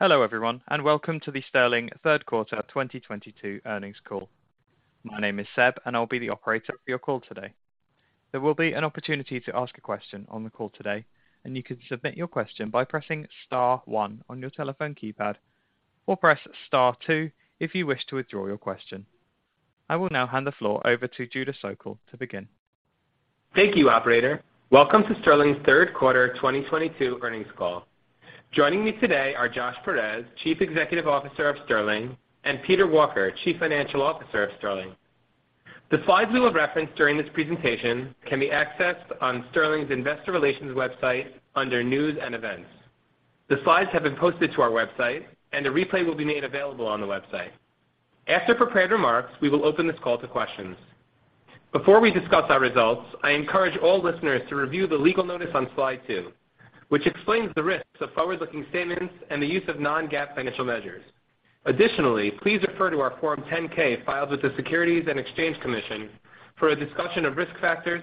Hello, everyone, and welcome to the Sterling Third Quarter 2022 Earnings Call. My name is Seb, and I'll be the operator for your call today. There will be an opportunity to ask a question on the call today, and you can submit your question by pressing star one on your telephone keypad, or press star two if you wish to withdraw your question. I will now hand the floor over to Judah Sokel to begin. Thank you, operator. Welcome to Sterling's Third Quarter 2022 Earnings Call. Joining me today are Josh Peirez, Chief Executive Officer of Sterling, and Peter Walker, Chief Financial Officer of Sterling. The slides we will reference during this presentation can be accessed on Sterling's investor relations website under news and events. The slides have been posted to our website, and the replay will be made available on the website. After prepared remarks, we will open this call to questions. Before we discuss our results, I encourage all listeners to review the legal notice on slide two, which explains the risks of forward-looking statements and the use of non-GAAP financial measures. Additionally, please refer to our Form 10-K filed with the Securities and Exchange Commission for a discussion of risk factors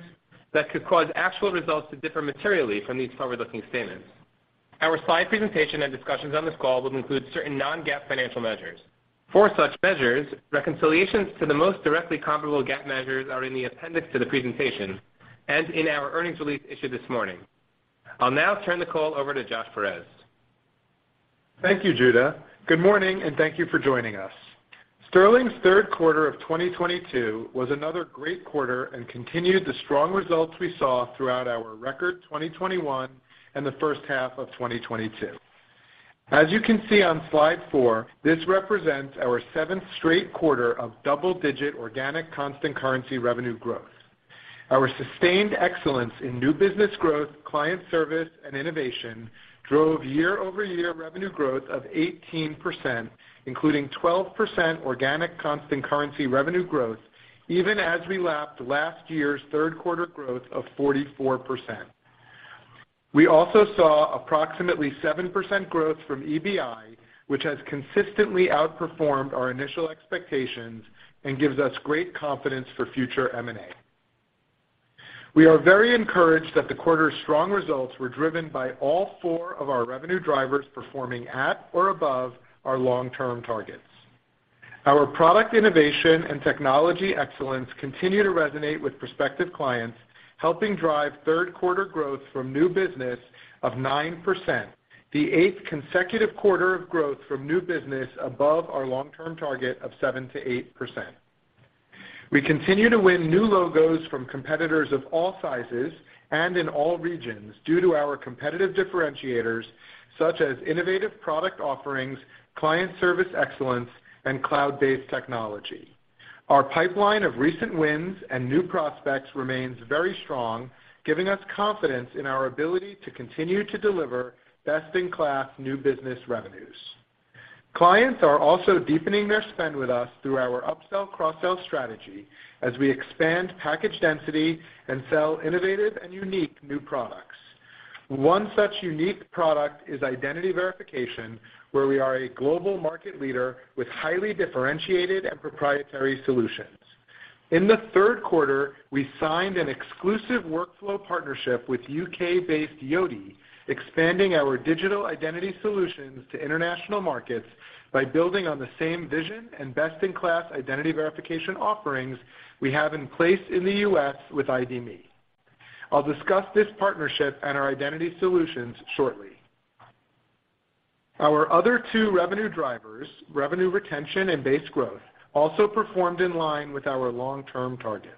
that could cause actual results to differ materially from these forward-looking statements. Our slide presentation and discussions on this call will include certain non-GAAP financial measures. For such measures, reconciliations to the most directly comparable GAAP measures are in the appendix to the presentation and in our earnings release issued this morning. I'll now turn the call over to Josh Peirez. Thank you, Judah. Good morning, and thank you for joining us. Sterling's third quarter of 2022 was another great quarter and continued the strong results we saw throughout our record 2021 and the first half of 2022. As you can see on slide four, this represents our seventh straight quarter of double-digit organic constant currency revenue growth. Our sustained excellence in new business growth, client service, and innovation drove year-over-year revenue growth of 18%, including 12% organic constant currency revenue growth, even as we lapped last year's third quarter growth of 44%. We also saw approximately 7% growth from EBI, which has consistently outperformed our initial expectations and gives us great confidence for future M&A. We are very encouraged that the quarter's strong results were driven by all four of our revenue drivers performing at or above our long-term targets. Our product innovation and technology excellence continue to resonate with prospective clients, helping drive third quarter growth from new business of 9%, the eighth consecutive quarter of growth from new business above our long-term target of 7%-8%. We continue to win new logos from competitors of all sizes and in all regions due to our competitive differentiators such as innovative product offerings, client service excellence, and cloud-based technology. Our pipeline of recent wins and new prospects remains very strong, giving us confidence in our ability to continue to deliver best-in-class new business revenues. Clients are also deepening their spend with us through our upsell, cross-sell strategy as we expand package density and sell innovative and unique new products. One such unique product is identity verification, where we are a global market leader with highly differentiated and proprietary solutions. In the third quarter, we signed an exclusive workflow partnership with U.K.-based Yoti, expanding our digital identity solutions to international markets by building on the same vision and best-in-class identity verification offerings we have in place in the U.S. with ID.me. I'll discuss this partnership and our identity solutions shortly. Our other two revenue drivers, revenue retention and base growth, also performed in line with our long-term targets.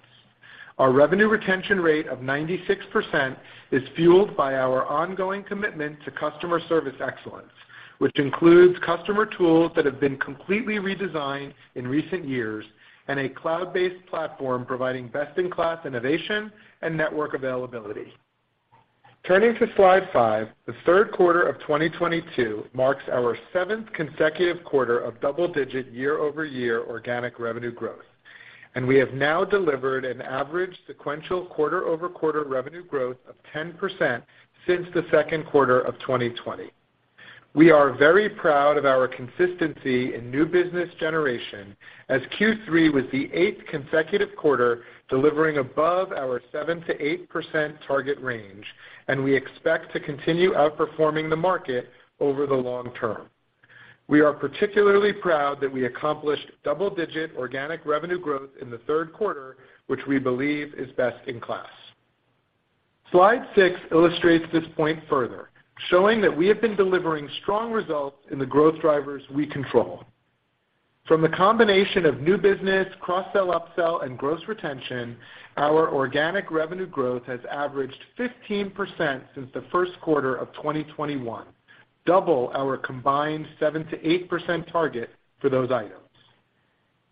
Our revenue retention rate of 96% is fueled by our ongoing commitment to customer service excellence, which includes customer tools that have been completely redesigned in recent years and a cloud-based platform providing best-in-class innovation and network availability. Turning to slide five, the third quarter of 2022 marks our seventh consecutive quarter of double-digit year-over-year organic revenue growth, and we have now delivered an average sequential quarter-over-quarter revenue growth of 10% since the second quarter of 2020. We are very proud of our consistency in new business generation as Q3 was the eighth consecutive quarter delivering above our 7%-8% target range, and we expect to continue outperforming the market over the long term. We are particularly proud that we accomplished double-digit organic revenue growth in the third quarter, which we believe is best in class. Slide six illustrates this point further, showing that we have been delivering strong results in the growth drivers we control. From the combination of new business, cross-sell, upsell, and gross retention, our organic revenue growth has averaged 15% since the first quarter of 2021, double our combined 7%-8% target for those items.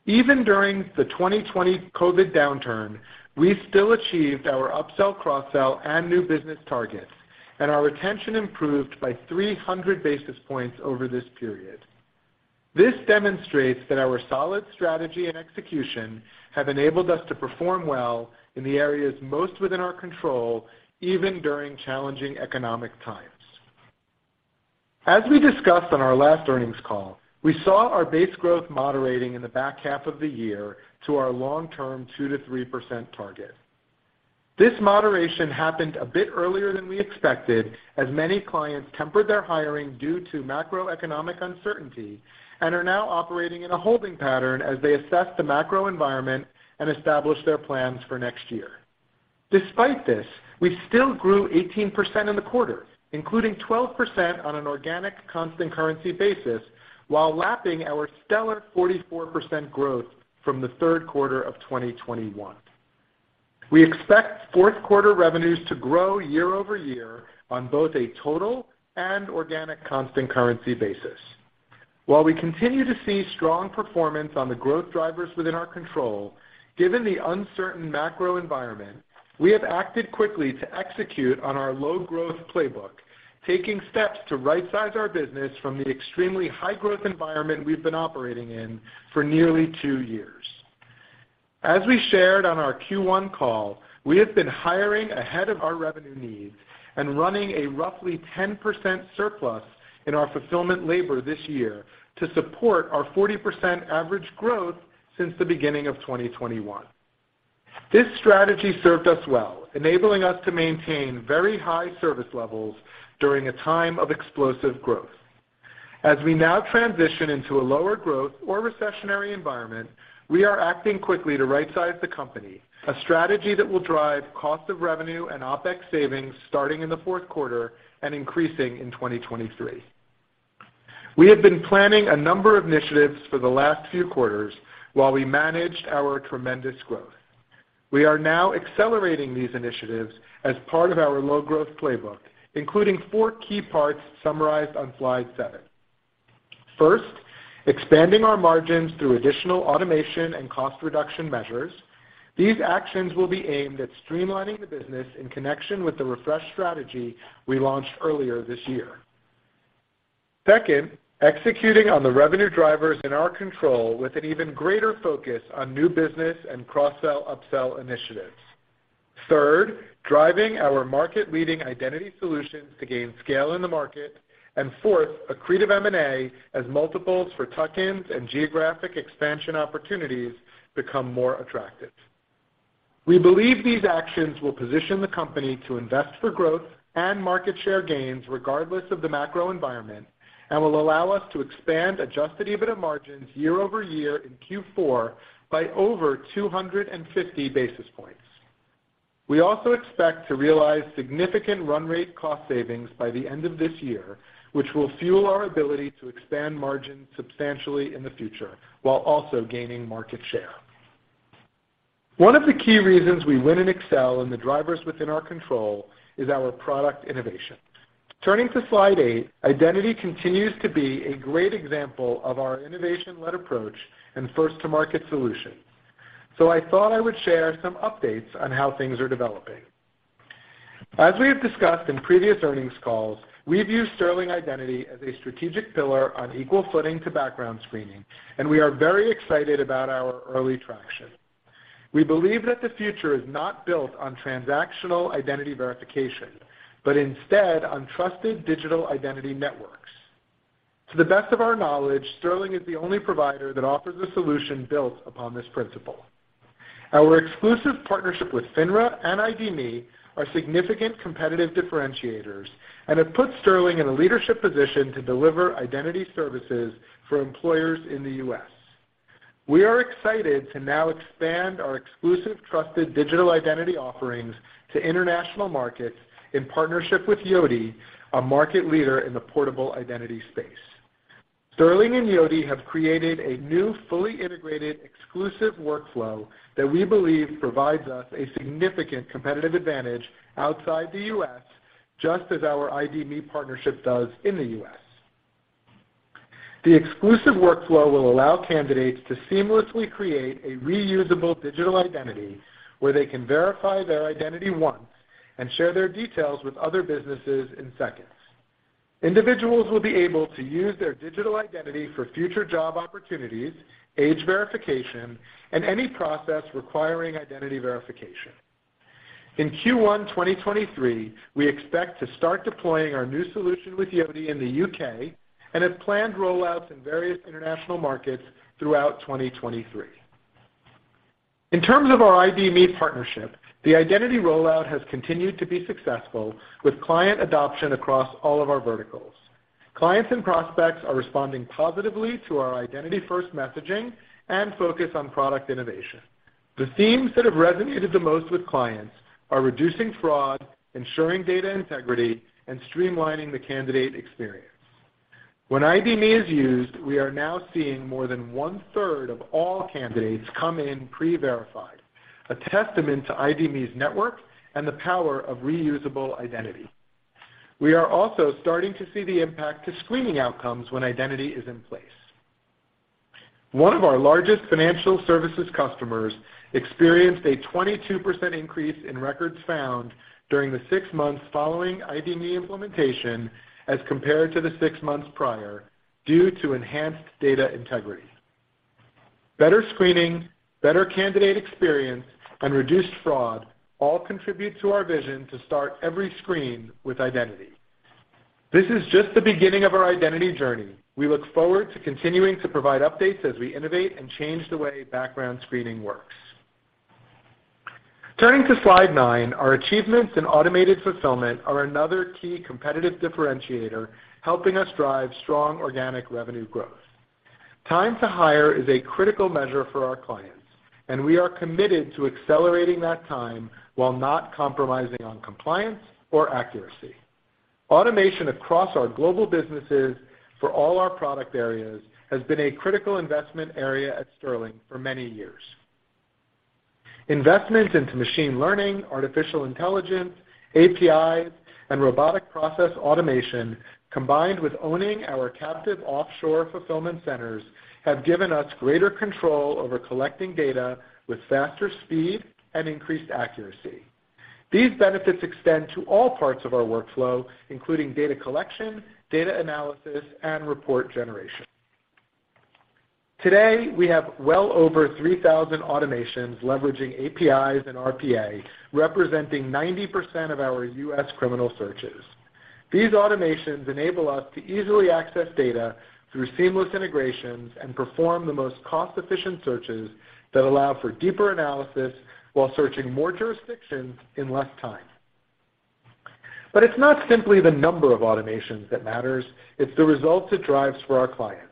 Even during the 2020 COVID downturn, we still achieved our upsell, cross-sell, and new business targets, and our retention improved by 300 basis points over this period. This demonstrates that our solid strategy and execution have enabled us to perform well in the areas most within our control, even during challenging economic times. As we discussed on our last earnings call, we saw our base growth moderating in the back half of the year to our long-term 2%-3% target. This moderation happened a bit earlier than we expected, as many clients tempered their hiring due to macroeconomic uncertainty and are now operating in a holding pattern as they assess the macro environment and establish their plans for next year. Despite this, we still grew 18% in the quarter, including 12% on an organic constant currency basis, while lapping our stellar 44% growth from the third quarter of 2021. We expect fourth quarter revenues to grow year-over-year on both a total and organic constant currency basis. While we continue to see strong performance on the growth drivers within our control, given the uncertain macro environment, we have acted quickly to execute on our growth playbook, taking steps to rightsize our business from the extremely high growth environment we've been operating in for nearly two years. As we shared on our Q1 call, we have been hiring ahead of our revenue needs and running a roughly 10% surplus in our fulfillment labor this year to support our 40% average growth since the beginning of 2021. This strategy served us well, enabling us to maintain very high service levels during a time of explosive growth. As we now transition into a lower growth or recessionary environment, we are acting quickly to rightsize the company, a strategy that will drive cost of revenue and OpEx savings starting in the fourth quarter and increasing in 2023. We have been planning a number of initiatives for the last few quarters while we managed our tremendous growth. We are now accelerating these initiatives as part of our growth playbook, including four key parts summarized on slide seven. First, expanding our margins through additional automation and cost reduction measures. These actions will be aimed at streamlining the business in connection with the refresh strategy we launched earlier this year. Second, executing on the revenue drivers in our control with an even greater focus on new business and cross-sell/upsell initiatives. Third, driving our market-leading identity solutions to gain scale in the market. Fourth, accretive M&A as multiples for tuck-ins and geographic expansion opportunities become more attractive. We believe these actions will position the company to invest for growth and market share gains regardless of the macro environment, and will allow us to expand adjusted EBITDA margins year over year in Q4 by over 250 basis points. We also expect to realize significant run rate cost savings by the end of this year, which will fuel our ability to expand margins substantially in the future, while also gaining market share. One of the key reasons we win and excel in the drivers within our control is our product innovation. Turning to slide eight, identity continues to be a great example of our innovation-led approach and first-to-market solutions. I thought I would share some updates on how things are developing. As we have discussed in previous earnings calls, we view Sterling Identity as a strategic pillar on equal footing to background screening, and we are very excited about our early traction. We believe that the future is not built on transactional identity verification, but instead on trusted digital identity networks. To the best of our knowledge, Sterling is the only provider that offers a solution built upon this principle. Our exclusive partnership with FINRA and ID.me are significant competitive differentiators, and have put Sterling in a leadership position to deliver identity services for employers in the U.S. We are excited to now expand our exclusive trusted digital identity offerings to international markets in partnership with Yoti, a market leader in the portable identity space. Sterling and Yoti have created a new, fully integrated exclusive workflow that we believe provides us a significant competitive advantage outside the U.S., just as our ID.me partnership does in the U.S. The exclusive workflow will allow candidates to seamlessly create a reusable digital identity where they can verify their identity once and share their details with other businesses in seconds. Individuals will be able to use their digital identity for future job opportunities, age verification, and any process requiring identity verification. In Q1 2023, we expect to start deploying our new solution with Yoti in the U.K. and have planned rollouts in various international markets throughout 2023. In terms of our ID.me partnership, the identity rollout has continued to be successful with client adoption across all of our verticals. Clients and prospects are responding positively to our Identity-First messaging and focus on product innovation. The themes that have resonated the most with clients are reducing fraud, ensuring data integrity, and streamlining the candidate experience. When ID.me is used, we are now seeing more than 1/3 of all candidates come in pre-verified, a testament to ID.me's network and the power of reusable identity. We are also starting to see the impact to screening outcomes when identity is in place. One of our largest financial services customers experienced a 22% increase in records found during the six months following ID.me implementation as compared to the six months prior due to enhanced data integrity. Better screening, better candidate experience, and reduced fraud all contribute to our vision to start every screen with identity. This is just the beginning of our identity journey. We look forward to continuing to provide updates as we innovate and change the way background screening works. Turning to slide nine, our achievements in automated fulfillment are another key competitive differentiator, helping us drive strong organic revenue growth. Time to hire is a critical measure for our clients, and we are committed to accelerating that time while not compromising on compliance or accuracy. Automation across our global businesses for all our product areas has been a critical investment area at Sterling for many years. Investments into machine learning, artificial intelligence, APIs, and robotic process automation, combined with owning our captive offshore fulfillment centers, have given us greater control over collecting data with faster speed and increased accuracy. These benefits extend to all parts of our workflow, including data collection, data analysis, and report generation. Today, we have well over 3,000 automations leveraging APIs and RPA, representing 90% of our U.S. criminal searches. These automations enable us to easily access data through seamless integrations and perform the most cost-efficient searches that allow for deeper analysis while searching more jurisdictions in less time. It's not simply the number of automations that matters, it's the results it drives for our clients.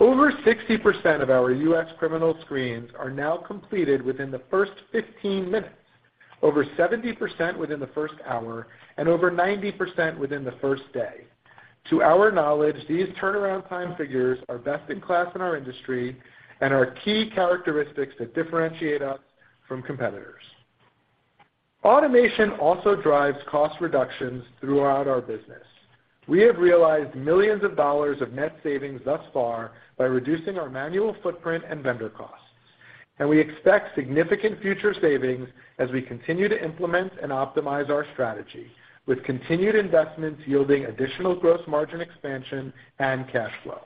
Over 60% of our U.S. criminal screens are now completed within the first 15 minutes, over 70% within the first hour, and over 90% within the first day. To our knowledge, these turnaround time figures are best in class in our industry and are key characteristics that differentiate us from competitors. Automation also drives cost reductions throughout our business. We have realized millions of dollars of net savings thus far by reducing our manual footprint and vendor costs. We expect significant future savings as we continue to implement and optimize our strategy, with continued investments yielding additional gross margin expansion and cash flow.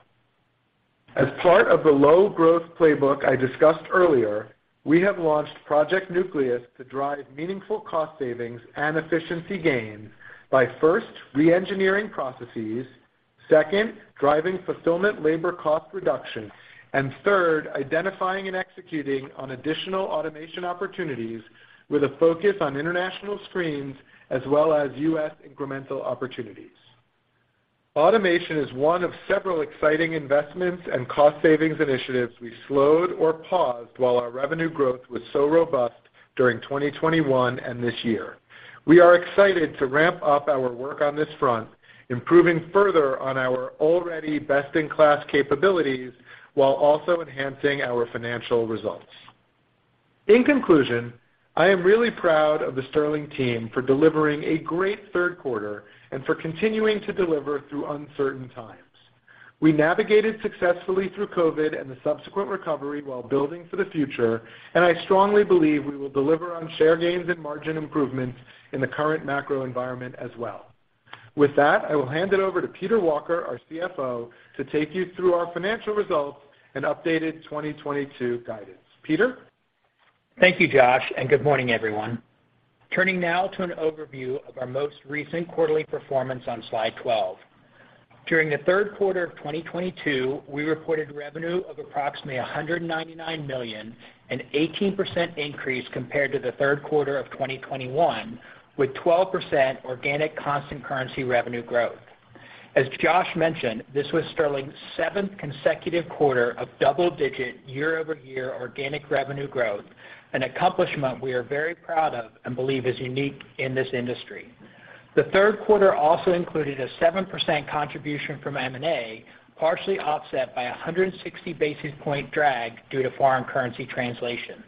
As part of the growth playbook i discussed earlier, we have launched Project Nucleus to drive meaningful cost savings and efficiency gains by, first, reengineering processes, second, driving fulfillment labor cost reduction, and third, identifying and executing on additional automation opportunities with a focus on international screens as well as U.S. incremental opportunities. Automation is one of several exciting investments and cost savings initiatives we slowed or paused while our revenue growth was so robust during 2021 and this year. We are excited to ramp up our work on this front, improving further on our already best-in-class capabilities while also enhancing our financial results. In conclusion, I am really proud of the Sterling team for delivering a great third quarter and for continuing to deliver through uncertain times. We navigated successfully through COVID and the subsequent recovery while building for the future, and I strongly believe we will deliver on share gains and margin improvements in the current macro environment as well. With that, I will hand it over to Peter Walker, our CFO, to take you through our financial results and updated 2022 guidance. Peter? Thank you, Josh, and good morning, everyone. Turning now to an overview of our most recent quarterly performance on slide 12. During the third quarter of 2022, we reported revenue of approximately $199 million, an 18% increase compared to the third quarter of 2021, with 12% organic constant currency revenue growth. As Josh mentioned, this was Sterling's seventh consecutive quarter of double-digit year-over-year organic revenue growth, an accomplishment we are very proud of and believe is unique in this industry. The third quarter also included a 7% contribution from M&A, partially offset by a 160 basis point drag due to foreign currency translation.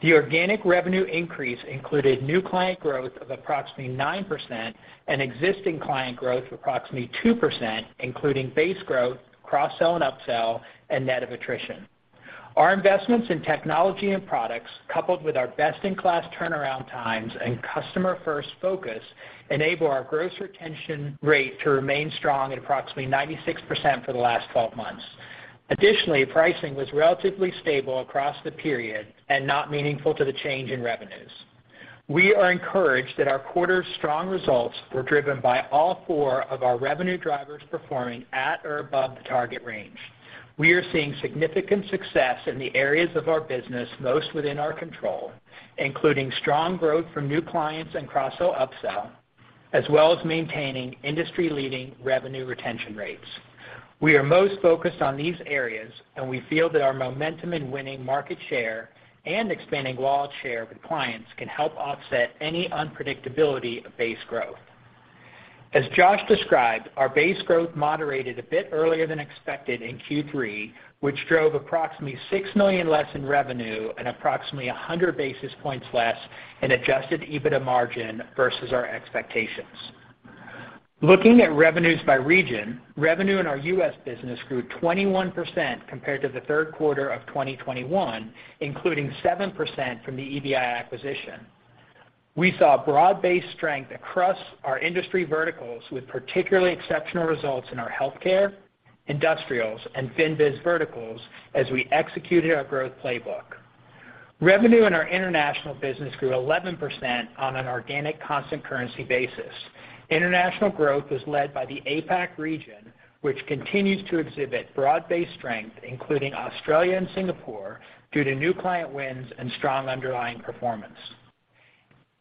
The organic revenue increase included new client growth of approximately 9% and existing client growth of approximately 2%, including base growth, cross-sell and upsell, and net of attrition. Our investments in technology and products, coupled with our best-in-class turnaround times and customer-first focus, enable our gross retention rate to remain strong at approximately 96% for the last 12 months. Additionally, pricing was relatively stable across the period and not meaningful to the change in revenues. We are encouraged that our quarter's strong results were driven by all four of our revenue drivers performing at or above the target range. We are seeing significant success in the areas of our business most within our control, including strong growth from new clients and cross-sell upsell, as well as maintaining industry-leading revenue retention rates. We are most focused on these areas, and we feel that our momentum in winning market share and expanding wallet share with clients can help offset any unpredictability of base growth. As Josh described, our base growth moderated a bit earlier than expected in Q3, which drove approximately $6 million less in revenue and approximately 100 basis points less in adjusted EBITDA margin versus our expectations. Looking at revenues by region, revenue in our U.S. business grew 21% compared to the third quarter of 2021, including 7% from the EBI acquisition. We saw broad-based strength across our industry verticals with particularly exceptional results in our healthcare, industrials, and FinBiz verticals as we executed growth playbook. revenue in our international business grew 11% on an organic constant currency basis. International growth was led by the APAC region, which continues to exhibit broad-based strength, including Australia and Singapore, due to new client wins and strong underlying performance.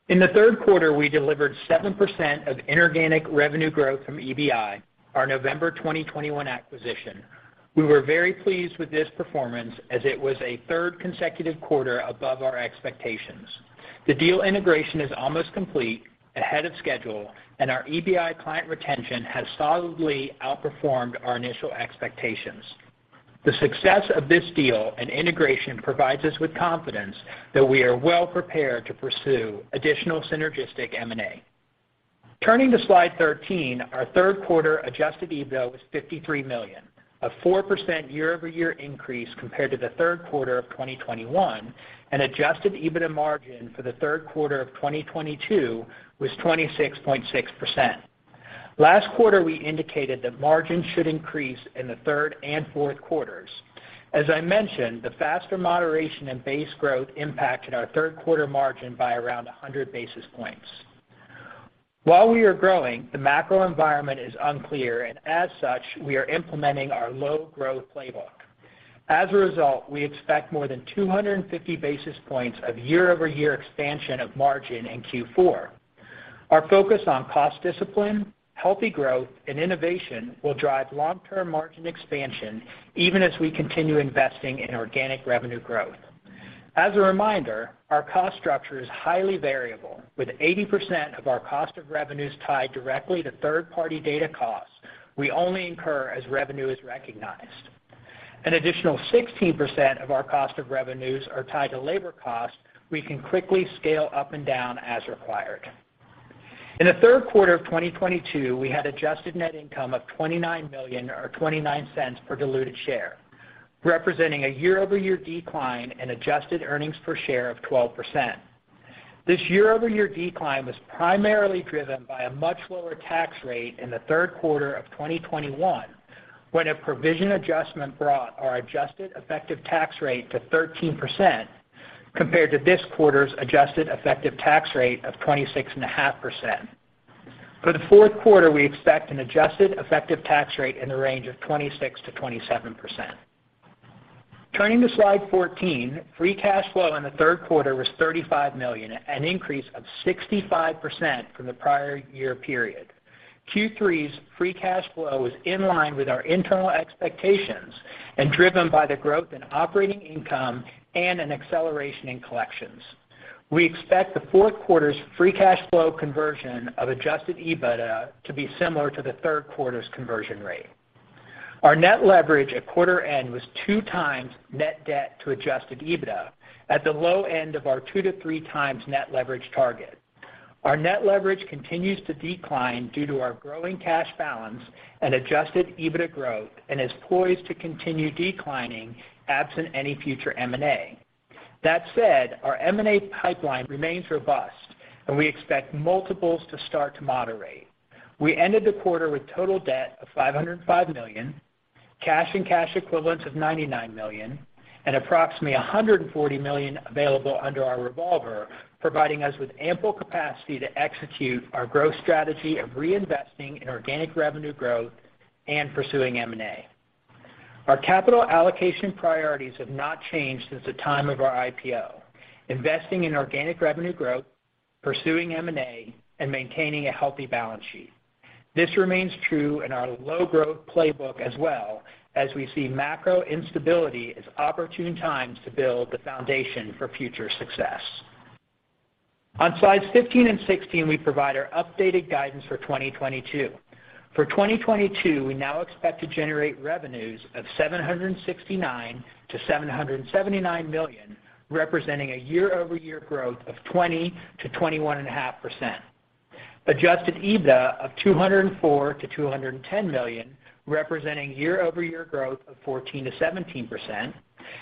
In the third quarter, we delivered 7% of inorganic revenue growth from EBI, our November 2021 acquisition. We were very pleased with this performance as it was a third consecutive quarter above our expectations. The deal integration is almost complete, ahead of schedule, and our EBI client retention has solidly outperformed our initial expectations. The success of this deal and integration provides us with confidence that we are well prepared to pursue additional synergistic M&A. Turning to Slide 13, our third quarter adjusted EBITDA was $53 million, a 4% year-over-year increase compared to the third quarter of 2021, and adjusted EBITDA margin for the third quarter of 2022 was 26.6%. Last quarter, we indicated that margins should increase in the third and fourth quarters. As I mentioned, the faster moderation in base growth impacted our third quarter margin by around 100 basis points. While we are growing, the macro environment is unclear, and as such, we are implementing our growth playbook. as a result, we expect more than 250 basis points of year-over-year expansion of margin in Q4. Our focus on cost discipline, healthy growth, and innovation will drive long-term margin expansion even as we continue investing in organic revenue growth. As a reminder, our cost structure is highly variable. With 80% of our cost of revenues tied directly to third-party data costs, we only incur as revenue is recognized. An additional 16% of our cost of revenues are tied to labor costs we can quickly scale up and down as required. In the third quarter of 2022, we had adjusted net income of $29 million or $0.29 per diluted share, representing a year-over-year decline in adjusted earnings per share of 12%. This year-over-year decline was primarily driven by a much lower tax rate in the third quarter of 2021, when a provision adjustment brought our adjusted effective tax rate to 13% compared to this quarter's adjusted effective tax rate of 26.5%. For the fourth quarter, we expect an adjusted effective tax rate in the range of 26%-27%. Turning to Slide 14, free cash flow in the third quarter was $35 million, an increase of 65% from the prior year period. Q3's free cash flow was in line with our internal expectations and driven by the growth in operating income and an acceleration in collections. We expect the fourth quarter's free cash flow conversion of adjusted EBITDA to be similar to the third quarter's conversion rate. Our net leverage at quarter end was 2x net debt to adjusted EBITDA at the low end of our 2-3x net leverage target. Our net leverage continues to decline due to our growing cash balance and adjusted EBITDA growth and is poised to continue declining absent any future M&A. That said, our M&A pipeline remains robust, and we expect multiples to start to moderate. We ended the quarter with total debt of $505 million, cash and cash equivalents of $99 million, and approximately $140 million available under our revolver, providing us with ample capacity to execute our growth strategy of reinvesting in organic revenue growth and pursuing M&A. Our capital allocation priorities have not changed since the time of our IPO. Investing in organic revenue growth, pursuing M&A, and maintaining a healthy balance sheet. This remains true in our growth playbook as well as we see macro instability as opportune times to build the foundation for future success. On Slides 15 and 16, we provide our updated guidance for 2022. For 2022, we now expect to generate revenues of $769 million-$779 million, representing year-over-year growth of 20%-21.5%. Adjusted EBITDA of $204 million-$210 million, representing year-over-year growth of 14%-17%.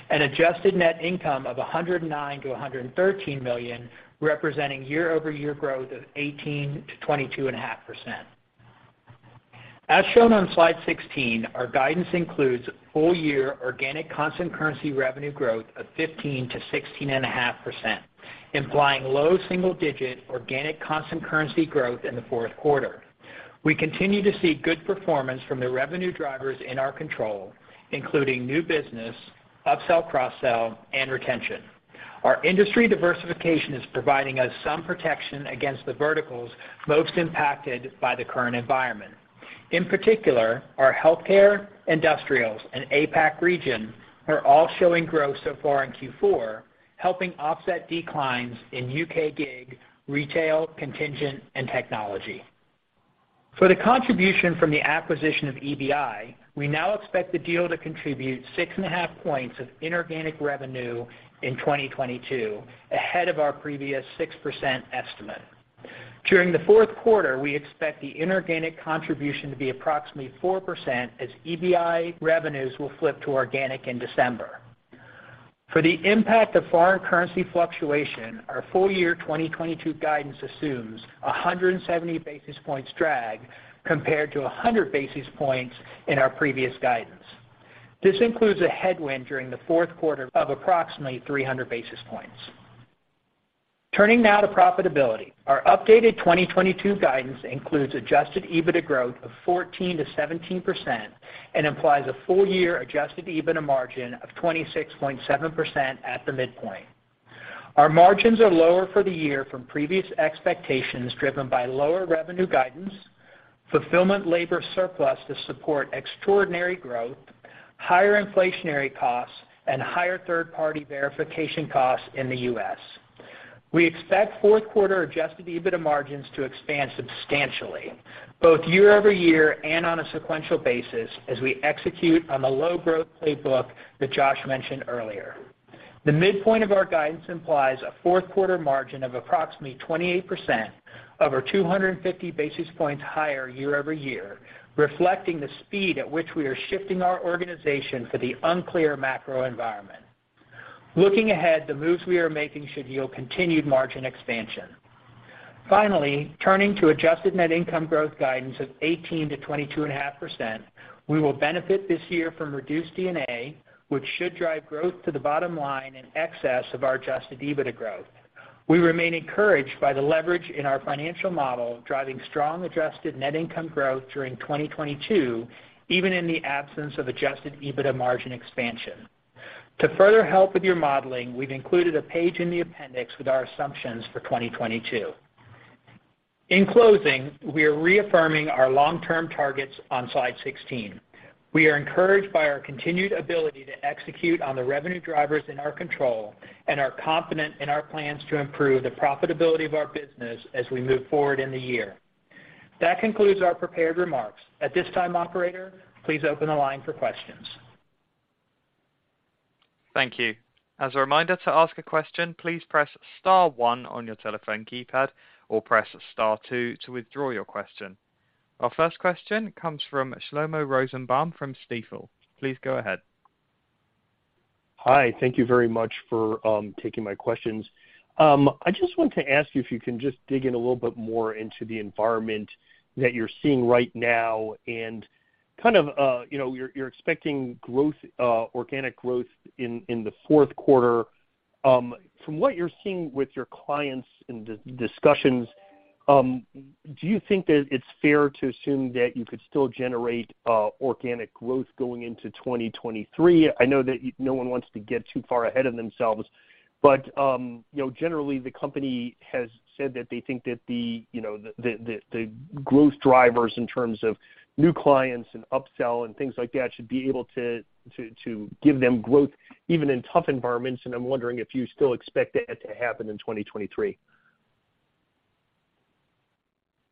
Adjusted net income of $109 million-$113 million, representing year-over-year growth of 18%-22.5%. As shown on Slide 16, our guidance includes full year organic constant currency revenue growth of 15%-16.5%, implying low single-digit organic constant currency growth in the fourth quarter. We continue to see good performance from the revenue drivers in our control, including new business, upsell, cross-sell, and retention. Our industry diversification is providing us some protection against the verticals most impacted by the current environment. In particular, our healthcare, industrials, and APAC region are all showing growth so far in Q4, helping offset declines in U.K. gig, retail, contingent, and technology. For the contribution from the acquisition of EBI, we now expect the deal to contribute 6.5 points of inorganic revenue in 2022, ahead of our previous 6% estimate. During the fourth quarter, we expect the inorganic contribution to be approximately 4% as EBI revenues will flip to organic in December. For the impact of foreign currency fluctuation, our full year 2022 guidance assumes 170 basis points drag compared to 100 basis points in our previous guidance. This includes a headwind during the fourth quarter of approximately 300 basis points. Turning now to profitability. Our updated 2022 guidance includes adjusted EBITDA growth of 14%-17% and implies a full year adjusted EBITDA margin of 26.7% at the midpoint. Our margins are lower for the year from previous expectations, driven by lower revenue guidance, fulfillment labor surplus to support extraordinary growth, higher inflationary costs, and higher third-party verification costs in the U.S. We expect fourth quarter adjusted EBITDA margins to expand substantially, both year-over-year and on a sequential basis as we execute on the growth playbook that Josh mentioned earlier. The midpoint of our guidance implies a fourth quarter margin of approximately 28% over 250 basis points higher year-over-year, reflecting the speed at which we are shifting our organization for the unclear macro environment. Looking ahead, the moves we are making should yield continued margin expansion. Finally, turning to adjusted net income growth guidance of 18%-22.5%, we will benefit this year from reduced D&A, which should drive growth to the bottom line in excess of our adjusted EBITDA growth. We remain encouraged by the leverage in our financial model, driving strong adjusted net income growth during 2022, even in the absence of adjusted EBITDA margin expansion. To further help with your modeling, we've included a page in the appendix with our assumptions for 2022. In closing, we are reaffirming our long-term targets on slide 16. We are encouraged by our continued ability to execute on the revenue drivers in our control and are confident in our plans to improve the profitability of our business as we move forward in the year. That concludes our prepared remarks. At this time, operator, please open the line for questions. Thank you. As a reminder to ask a question, please press star one on your telephone keypad or press star two to withdraw your question. Our first question comes from Shlomo Rosenbaum from Stifel. Please go ahead. Hi. Thank you very much for taking my questions. I just want to ask you if you can just dig in a little bit more into the environment that you're seeing right now and kind of, you know, you're expecting growth, organic growth in the fourth quarter. From what you're seeing with your clients in discussions, do you think that it's fair to assume that you could still generate organic growth going into 2023? I know that no one wants to get too far ahead of themselves, but, you know, generally the company has said that they think that the, you know, the growth drivers in terms of new clients and upsell and things like that should be able to give them growth even in tough environments. I'm wondering if you still expect that to happen in 2023.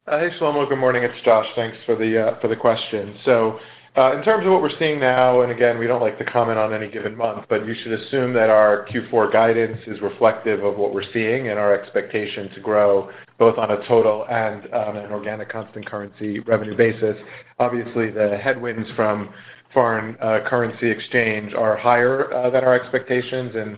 Hey, Shlomo. Good morning. It's Josh. Thanks for the question. In terms of what we're seeing now, and again, we don't like to comment on any given month, but you should assume that our Q4 guidance is reflective of what we're seeing and our expectation to grow both on a total and on an organic constant currency revenue basis. Obviously, the headwinds from foreign currency exchange are higher than our expectations.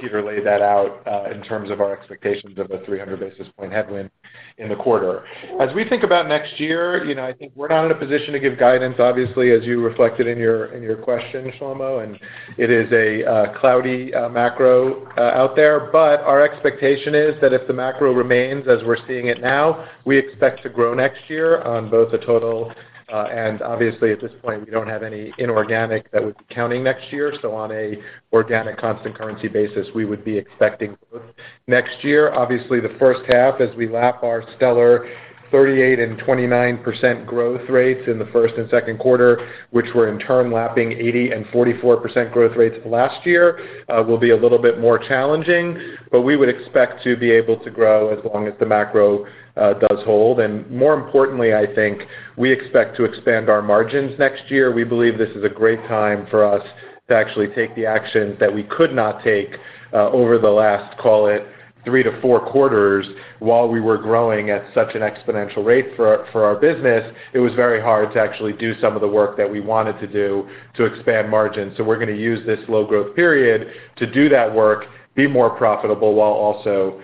Peter laid that out in terms of our expectations of a 300 basis point headwind in the quarter. As we think about next year, you know, I think we're not in a position to give guidance, obviously, as you reflected in your question, Shlomo, and it is a cloudy macro out there. Our expectation is that if the macro remains as we're seeing it now, we expect to grow next year on both the total, and obviously at this point, we don't have any inorganic that we'd be counting next year. On a organic constant currency basis, we would be expecting growth next year. Obviously, the first half as we lap our stellar 38% and 29% growth rates in the first and second quarter, which were in turn lapping 80% and 44% growth rates of last year, will be a little bit more challenging, but we would expect to be able to grow as long as the macro does hold. More importantly, I think we expect to expand our margins next year. We believe this is a great time for us to actually take the actions that we could not take over the last, call it three to four quarters while we were growing at such an exponential rate for our business. It was very hard to actually do some of the work that we wanted to do to expand margins. We're gonna use this low growth period to do that work, be more profitable while also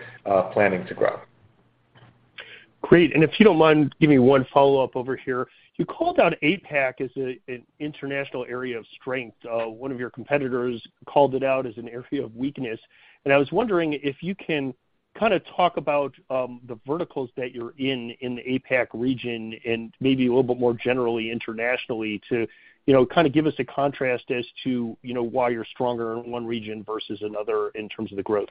planning to grow. Great. If you don't mind giving me one follow-up over here. You called out APAC as an international area of strength. One of your competitors called it out as an area of weakness. I was wondering if you can kinda talk about the verticals that you're in the APAC region and maybe a little bit more generally internationally to, you know, kinda give us a contrast as to why you're stronger in one region versus another in terms of the growth.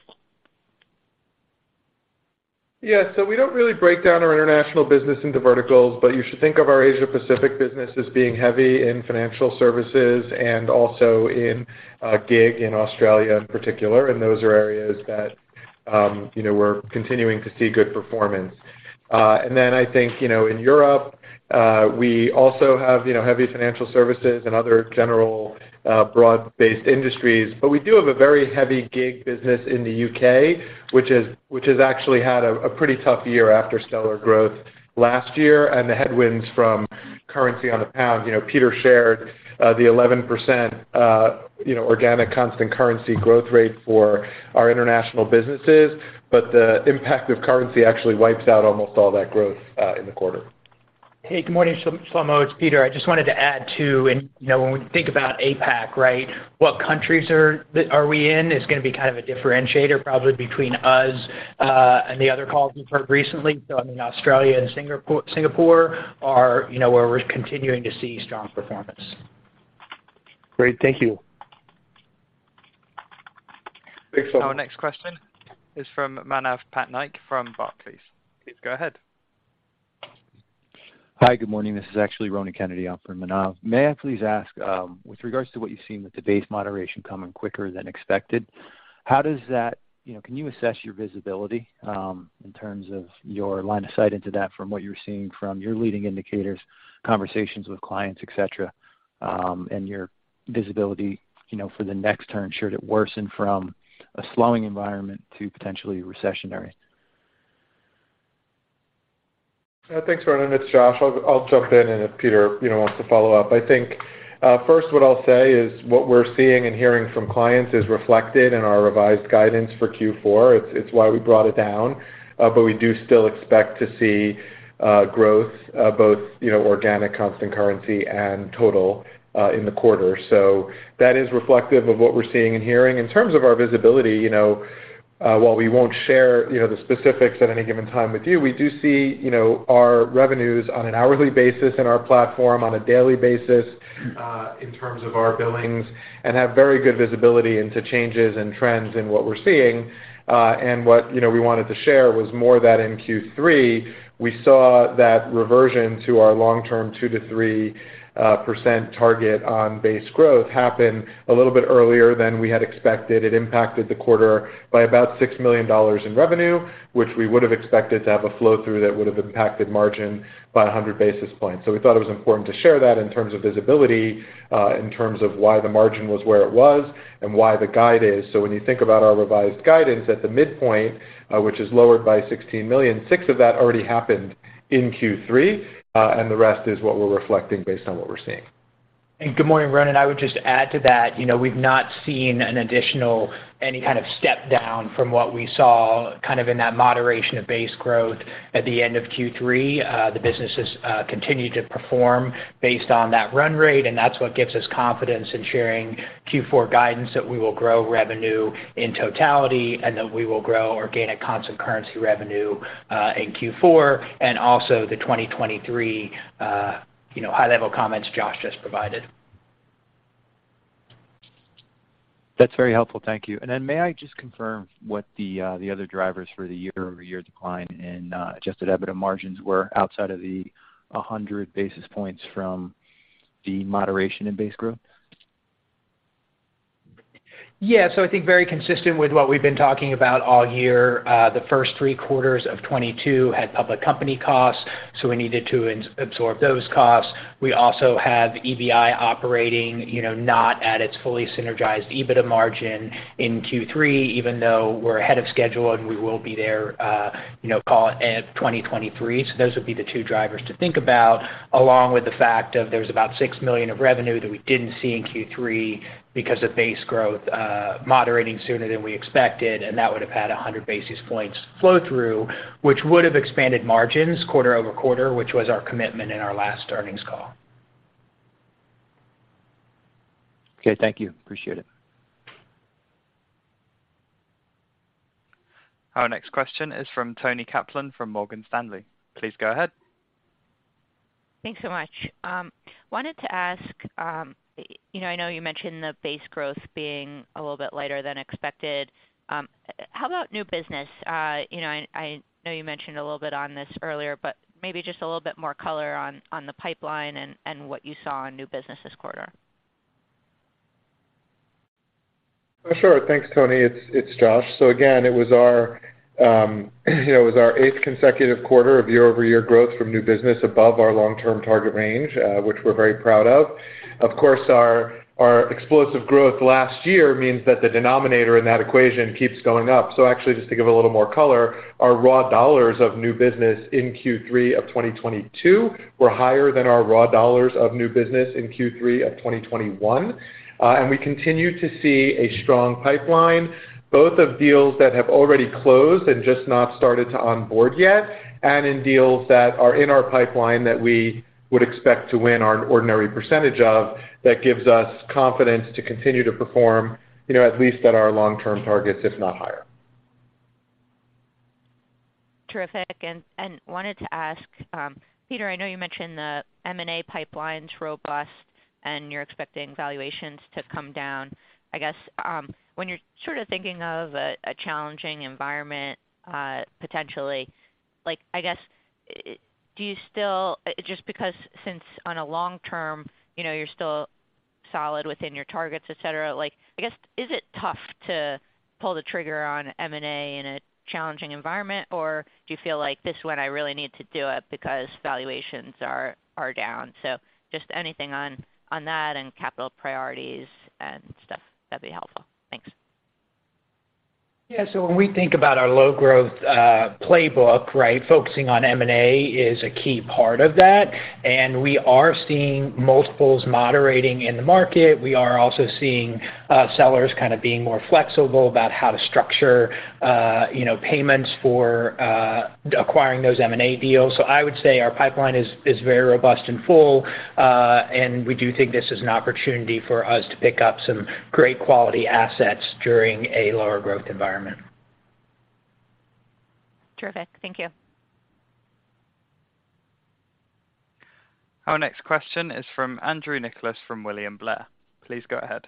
Yeah. We don't really break down our international business into verticals, but you should think of our Asia-Pacific business as being heavy in financial services and also in gig in Australia in particular. Those are areas that, you know, we're continuing to see good performance. I think, you know, in Europe, we also have heavy financial services and other general broad-based industries. We do have a very heavy gig business in the U.K., which has actually had a pretty tough year after stellar growth last year and the headwinds from currency on the pound. You know, Peter shared the 11% organic constant currency growth rate for our international businesses, but the impact of currency actually wipes out almost all that growth in the quarter. Hey, good morning, Shlomo. It's Peter. I just wanted to add too, and, you know, when we think about APAC, right, what countries are we in is gonna be kind of a differentiator probably between us and the other calls we've heard recently. I mean, Australia and Singapore are, you know, where we're continuing to see strong performance. Great. Thank you. Thanks, Shlomo. Our next question is from Manav Patnaik from Barclays. Please go ahead. Hi, good morning. This is actually Ronan Kennedy for Manav. May I please ask, with regards to what you've seen with the pace moderation coming quicker than expected, you know, can you assess your visibility, in terms of your line of sight into that from what you're seeing from your leading indicators, conversations with clients, et cetera, and your visibility, you know, for the next turn, should it worsen from a slowing environment to potentially recessionary? Yeah. Thanks, Ronan. It's Josh. I'll jump in, and if Peter, you know, wants to follow up. I think first what I'll say is what we're seeing and hearing from clients is reflected in our revised guidance for Q4. It's why we brought it down. But we do still expect to see growth both, you know, organic constant currency and total in the quarter. That is reflective of what we're seeing and hearing. In terms of our visibility, you know, while we won't share the specifics at any given time with you, we do see our revenues on an hourly basis in our platform on a daily basis in terms of our billings and have very good visibility into changes and trends in what we're seeing. What, you know, we wanted to share was more that in Q3, we saw that reversion to our long-term 2%-3% target on base growth happen a little bit earlier than we had expected. It impacted the quarter by about $6 million in revenue, which we would've expected to have a flow-through that would've impacted margin by 100 basis points. We thought it was important to share that in terms of visibility, in terms of why the margin was where it was and why the guide is. When you think about our revised guidance at the midpoint, which is lowered by $16 million, six of that already happened in Q3, and the rest is what we're reflecting based on what we're seeing. Good morning, Ronan. I would just add to that, you know, we've not seen an additional, any kind of step down from what we saw kind of in that moderation of base growth at the end of Q3. The businesses continue to perform based on that run rate, and that's what gives us confidence in sharing Q4 guidance that we will grow revenue in totality and that we will grow organic constant currency revenue in Q4 and also the 2023, you know, high-level comments Josh just provided. That's very helpful. Thank you. May I just confirm what the other drivers for the year-over-year decline in adjusted EBITDA margins were outside of the 100 basis points from the moderation in base growth? Yeah. I think very consistent with what we've been talking about all year, the first three quarters of 2022 had public company costs, so we needed to absorb those costs. We also have EBI operating, you know, not at its fully synergized EBITDA margin in Q3, even though we're ahead of schedule, and we will be there, you know, call it, 2023. Those would be the two drivers to think about, along with the fact that there's about $6 million of revenue that we didn't see in Q3 because of base growth moderating sooner than we expected, and that would've had 100 basis points flow through, which would've expanded margins quarter-over-quarter, which was our commitment in our last earnings call. Okay, thank you. Appreciate it. Our next question is from Toni Kaplan from Morgan Stanley. Please go ahead. Thanks so much. Wanted to ask, you know, I know you mentioned the base growth being a little bit lighter than expected. How about new business? You know, and I know you mentioned a little bit on this earlier, but maybe just a little bit more color on the pipeline and what you saw in new business this quarter. Sure. Thanks, Toni. It's Josh. Again, it was our eighth consecutive quarter of year-over-year growth from new business above our long-term target range, which we're very proud of. Of course, our explosive growth last year means that the denominator in that equation keeps going up. Actually, just to give a little more color, our raw dollars of new business in Q3 of 2022 were higher than our raw dollars of new business in Q3 of 2021. We continue to see a strong pipeline, both of deals that have already closed and just not started to onboard yet, and in deals that are in our pipeline that we would expect to win our ordinary percentage of, that gives us confidence to continue to perform at least at our long-term targets, if not higher. Terrific. Wanted to ask, Peter, I know you mentioned the M&A pipeline's robust and you're expecting valuations to come down. I guess, when you're sort of thinking of a challenging environment, potentially, like, I guess, just because in the long term, you know, you're still solid within your targets, et cetera, like, I guess, is it tough to pull the trigger on M&A in a challenging environment, or do you feel like this is when I really need to do it because valuations are down? Just anything on that and capital priorities and stuff that'd be helpful. Thanks. Yeah. When we think about our growth playbook, right? Focusing on M&A is a key part of that, and we are seeing multiples moderating in the market. We are also seeing sellers kind of being more flexible about how to structure you know, payments for acquiring those M&A deals. I would say our pipeline is very robust and full. We do think this is an opportunity for us to pick up some great quality assets during a lower growth environment. Terrific. Thank you. Our next question is from Andrew Nicholas from William Blair. Please go ahead.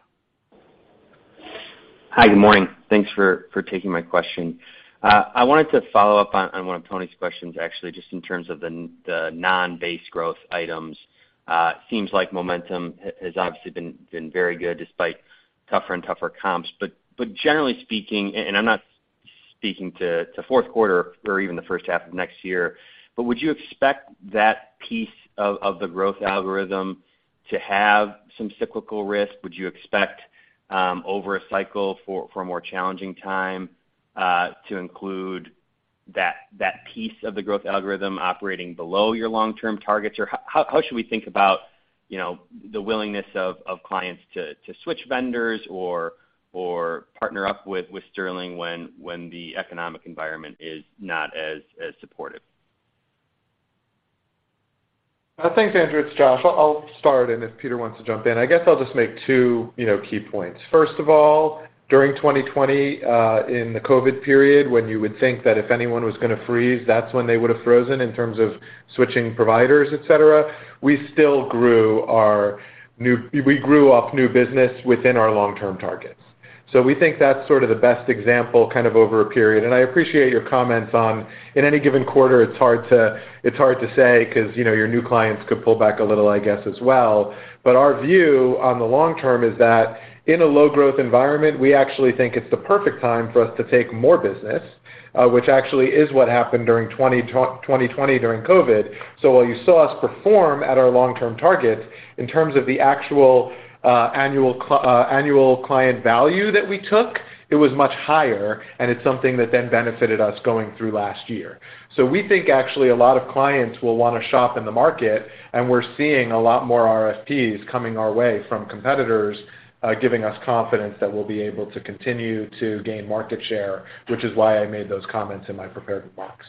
Hi, good morning. Thanks for taking my question. I wanted to follow up on one of Toni's questions actually, just in terms of the non-base growth items. Seems like momentum has obviously been very good despite tougher and tougher comps. Generally speaking, I'm not speaking to fourth quarter or even the first half of next year, but would you expect that piece of the growth algorithm to have some cyclical risk? Would you expect over a cycle for a more challenging time to include that piece of the growth algorithm operating below your long-term targets? Or how should we think about, you know, the willingness of clients to switch vendors or partner up with Sterling when the economic environment is not as supportive? Thanks, Andrew. It's Josh. I'll start, and if Peter wants to jump in. I guess I'll just make two, you know, key points. First of all, during 2020, in the COVID period, when you would think that if anyone was gonna freeze, that's when they would've frozen in terms of switching providers, et cetera, we still grew our new business within our long-term targets. We think that's sort of the best example, kind of over a period. I appreciate your comments on, in any given quarter, it's hard to say 'cause, you know, your new clients could pull back a little, I guess, as well. Our view on the long term is that in a low growth environment, we actually think it's the perfect time for us to take more business, which actually is what happened during 2020 during COVID. While you saw us perform at our long-term targets, in terms of the actual annual client value that we took, it was much higher, and it's something that then benefited us going through last year. We think actually a lot of clients will wanna shop in the market, and we're seeing a lot more RFPs coming our way from competitors, giving us confidence that we'll be able to continue to gain market share, which is why I made those comments in my prepared remarks.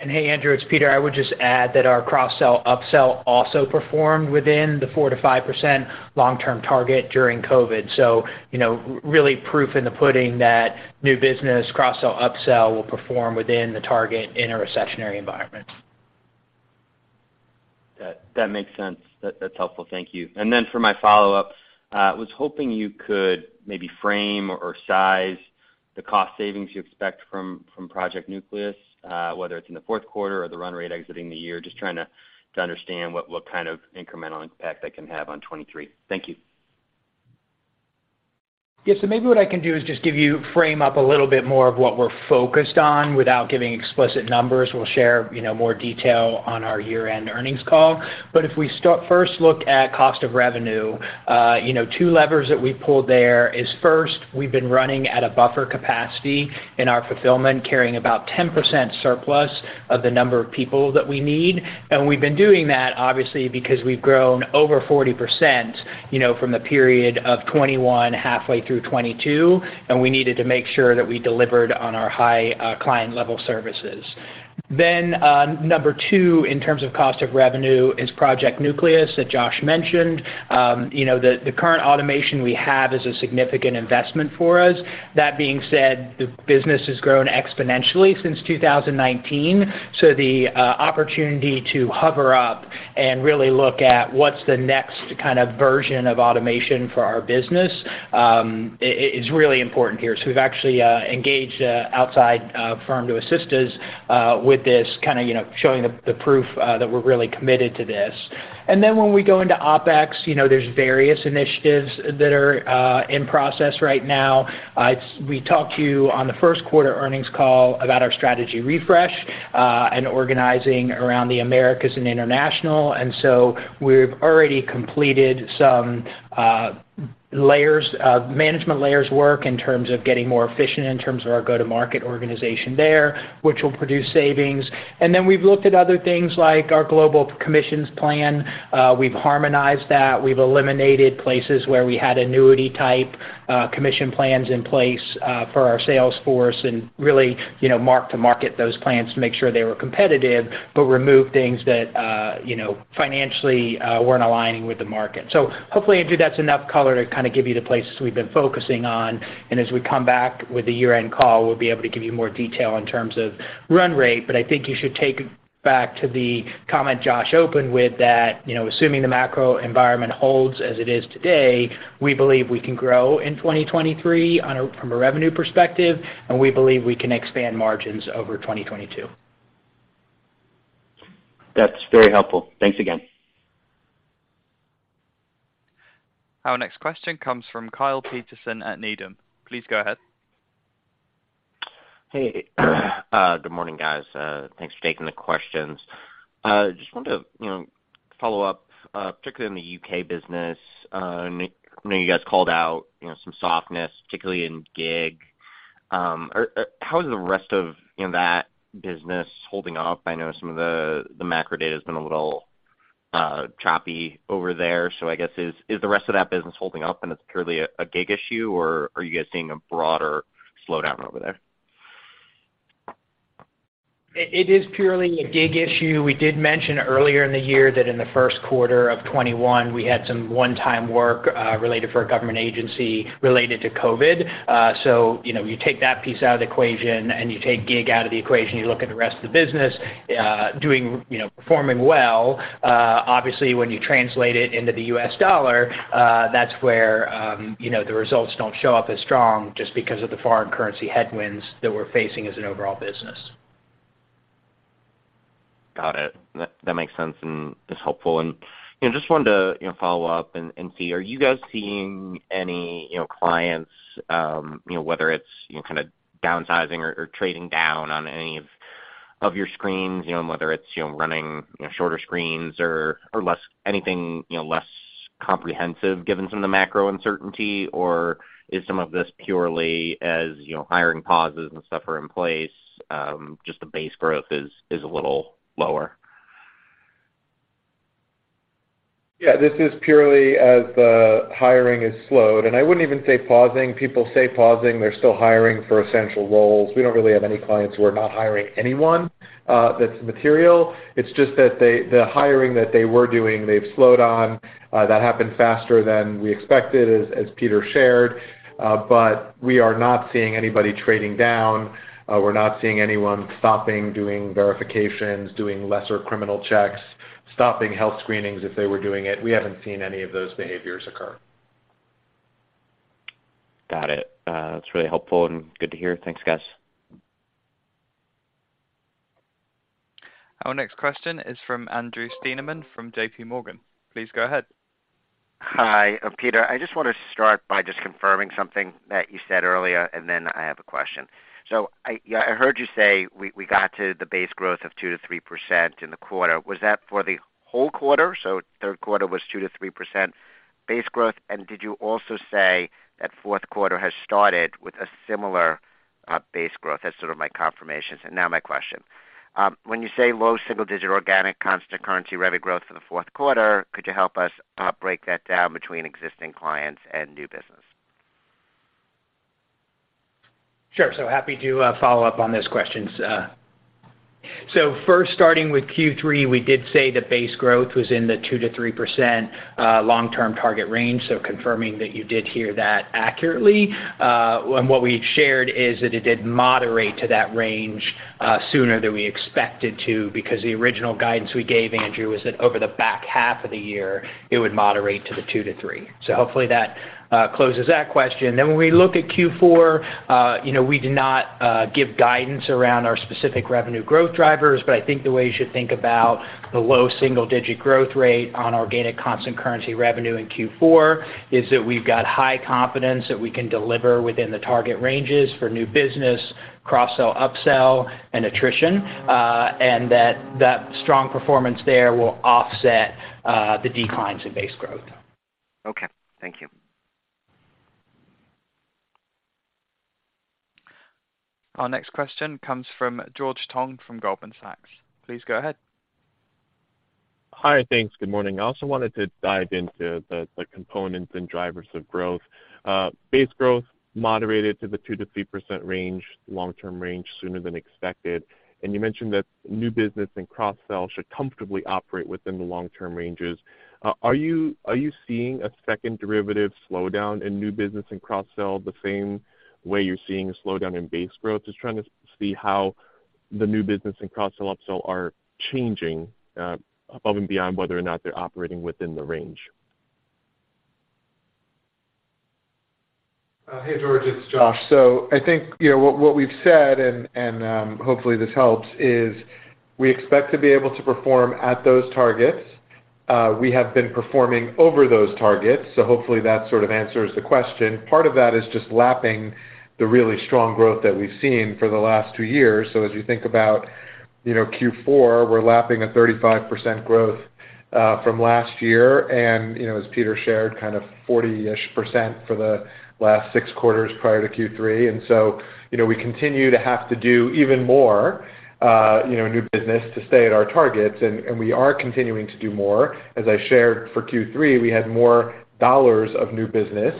Hey, Andrew, it's Peter. I would just add that our cross-sell/upsell also performed within the 4%-5% long-term target during COVID. You know, really proof in the pudding that new business cross-sell/upsell will perform within the target in a recessionary environment. That makes sense. That's helpful. Thank you. For my follow-up, was hoping you could maybe frame or size the cost savings you expect from Project Nucleus, whether it's in the fourth quarter or the run rate exiting the year. Just trying to understand what kind of incremental impact that can have on 2023. Thank you. Yeah. Maybe what I can do is just give you frame up a little bit more of what we're focused on without giving explicit numbers. We'll share, you know, more detail on our year-end earnings call. If we first look at cost of revenue, you know, two levers that we pulled there is first, we've been running at a buffer capacity in our fulfillment, carrying about 10% surplus of the number of people that we need. We've been doing that obviously because we've grown over 40%, you know, from the period of 2021 halfway through 2022, and we needed to make sure that we delivered on our high client level services. Number two, in terms of cost of revenue is Project Nucleus that Josh mentioned. You know, the current automation we have is a significant investment for us. That being said, the business has grown exponentially since 2019, so the opportunity to hover up and really look at what's the next kind of version of automation for our business is really important here. So we've actually engaged an outside firm to assist us with this kind of, you know, showing the proof that we're really committed to this. Then when we go into OpEx, you know, there's various initiatives that are in process right now. We talked to you on the first quarter earnings call about our strategy refresh and organizing around the Americas and International. We've already completed some management layers work in terms of getting more efficient in terms of our go-to-market organization there, which will produce savings. We've looked at other things like our global commissions plan. We've harmonized that. We've eliminated places where we had annuity type commission plans in place for our sales force and really, you know, marked to market those plans to make sure they were competitive, but removed things that, you know, financially weren't aligning with the market. Hopefully, Andrew, that's enough color to kinda give you the places we've been focusing on. As we come back with the year-end call, we'll be able to give you more detail in terms of run rate. I think you should take it back to the comment Josh opened with that, you know, assuming the macro environment holds as it is today, we believe we can grow in 2023 from a revenue perspective, and we believe we can expand margins over 2022. That's very helpful. Thanks again. Our next question comes from Kyle Peterson at Needham. Please go ahead. Hey, good morning, guys. Thanks for taking the questions. Just wanted to, you know, follow up, particularly in the U.K. business. I know you guys called out, you know, some softness, particularly in gig. How is the rest of, you know, that business holding up? I know some of the macro data has been a little choppy over there, so I guess is the rest of that business holding up, and it's purely a gig issue, or are you guys seeing a broader slowdown over there? It is purely a gig issue. We did mention earlier in the year that in the first quarter of 2021, we had some one-time work related to a government agency related to COVID. You know, you take that piece out of the equation, and you take gig out of the equation, you look at the rest of the business doing, you know, performing well. Obviously, when you translate it into the U.S. dollar, that's where you know, the results don't show up as strong just because of the foreign currency headwinds that we're facing as an overall business. Got it. That makes sense and is helpful. You know, just wanted to follow up and see, are you guys seeing any clients, you know, whether it's kind of downsizing or trading down on any of your screens, you know, whether it's running shorter screens or less anything, you know, less comprehensive given some of the macro uncertainty? Or is some of this purely as hiring pauses and stuff are in place, just the base growth is a little lower? Yeah, this is purely as the hiring has slowed, and I wouldn't even say pausing. People say pausing. They're still hiring for essential roles. We don't really have any clients who are not hiring anyone, that's material. It's just that they, the hiring that they were doing, they've slowed on. That happened faster than we expected, as Peter shared. But we are not seeing anybody trading down. We're not seeing anyone stopping doing verifications, doing lesser criminal checks, stopping health screenings if they were doing it. We haven't seen any of those behaviors occur. Got it. That's really helpful and good to hear. Thanks, guys. Our next question is from Andrew Steinerman from JPMorgan. Please go ahead. Hi. Peter, I just wanna start by just confirming something that you said earlier, and then I have a question. I heard you say we got to the base growth of 2%-3% in the quarter. Was that for the whole quarter, so third quarter was 2%-3% base growth? Did you also say that fourth quarter has started with a similar base growth? That's sort of my confirmations. Now my question. When you say low single-digit organic constant currency revenue growth for the fourth quarter, could you help us break that down between existing clients and new business? Sure. Happy to follow up on those questions. First starting with Q3, we did say the base growth was in the 2%-3% long-term target range, so confirming that you did hear that accurately. What we shared is that it did moderate to that range sooner than we expected to because the original guidance we gave, Andrew, was that over the back half of the year, it would moderate to the 2%-3%. Hopefully that closes that question. When we look at Q4, you know, we do not give guidance around our specific revenue growth drivers, but I think the way you should think about the low single-digit growth rate on organic constant currency revenue in Q4 is that we've got high confidence that we can deliver within the target ranges for new business, cross-sell, upsell, and attrition, and that strong performance there will offset the declines in base growth. Okay. Thank you. Our next question comes from George Tong from Goldman Sachs. Please go ahead. Hi. Thanks. Good morning. I also wanted to dive into the components and drivers of growth. Base growth moderated to the 2%-3% range, long-term range sooner than expected. You mentioned that new business and cross-sell should comfortably operate within the long-term ranges. Are you seeing a second derivative slowdown in new business and cross-sell the same way you're seeing a slowdown in base growth? Just trying to see how the new business and cross-sell, upsell are changing above and beyond whether or not they're operating within the range. Hey, George, it's Josh. I think, you know, what we've said, and hopefully this helps, is we expect to be able to perform at those targets. We have been performing over those targets, so hopefully that sort of answers the question. Part of that is just lapping the really strong growth that we've seen for the last two years. As you think about, you know, Q4, we're lapping a 35% growth from last year and, you know, as Peter shared, kind of 40-ish% for the last six quarters prior to Q3. You know, we continue to have to do even more, you know, new business to stay at our targets, and we are continuing to do more. As I shared for Q3, we had more dollars of new business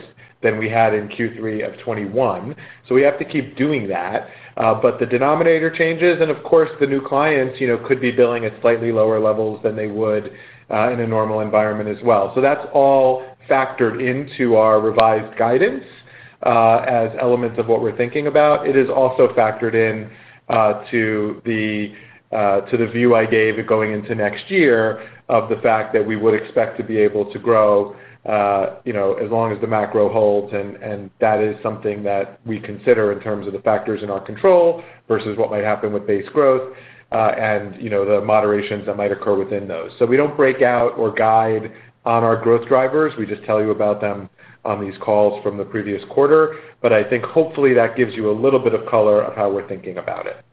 than we had in Q3 of 2021, so we have to keep doing that. The denominator changes, and of course, the new clients, you know, could be billing at slightly lower levels than they would in a normal environment as well. That's all factored into our revised guidance as elements of what we're thinking about. It is also factored in to the view I gave going into next year of the fact that we would expect to be able to grow, you know, as long as the macro holds. That is something that we consider in terms of the factors in our control versus what might happen with base growth, and, you know, the moderations that might occur within those. We don't break out or guide on our growth drivers. We just tell you about them on these calls from the previous quarter. I think hopefully that gives you a little bit of color of how we're thinking about it.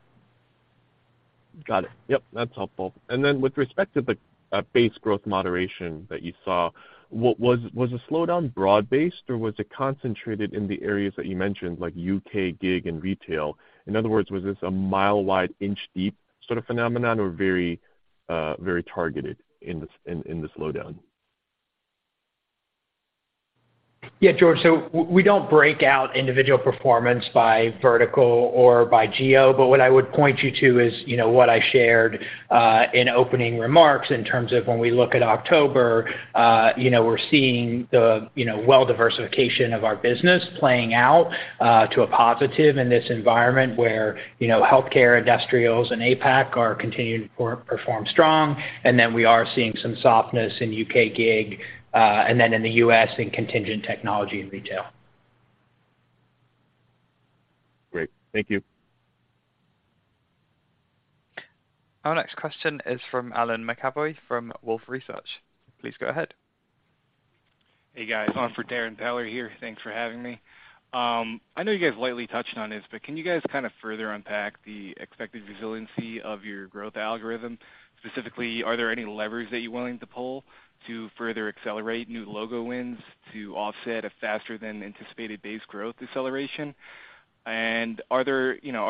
Got it. Yep, that's helpful. With respect to the base growth moderation that you saw, what was the slowdown broad-based, or was it concentrated in the areas that you mentioned, like U.K. gig and retail? In other words, was this a mile wide, inch deep sort of phenomenon or very targeted in the slowdown? Yeah, George, we don't break out individual performance by vertical or by geo, but what I would point you to is, you know, what I shared in opening remarks in terms of when we look at October, you know, we're seeing the, you know, well diversification of our business playing out to a positive in this environment where, you know, healthcare, industrials, and APAC are continuing to perform strong, and then we are seeing some softness in U.K. gig, and then in the U.S. in contingent technology and retail. Great. Thank you. Our next question is from Allan McAvoy from Wolfe Research. Please go ahead. Hey, guys. On for Darrin Peller here. Thanks for having me. I know you guys lightly touched on this, but can you guys kind of further unpack the expected resiliency of your growth algorithm? Specifically, are there any levers that you're willing to pull to further accelerate new logo wins to offset a faster than anticipated base growth deceleration? You know,